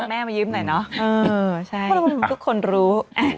มันมีแม่มายืมหน่อยนะทุกคนรู้